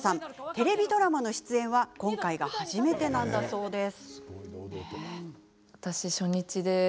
テレビドラマの出演は今回が初めてなんだそうです。